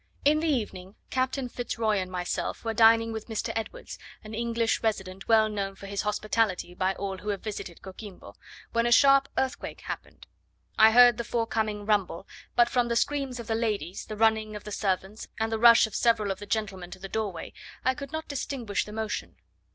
In the evening, Captain Fitz Roy and myself were dining with Mr. Edwards, an English resident well known for his hospitality by all who have visited Coquimbo, when a sharp earthquake happened. I heard the forecoming rumble, but from the screams of the ladies, the running of the servants, and the rush of several of the gentlemen to the doorway, I could not distinguish the motion.